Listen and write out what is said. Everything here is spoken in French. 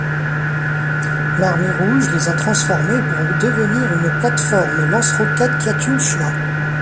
L'Armée Rouge les a transformés pour devenir une plate-forme lance-roquettes Katyusha.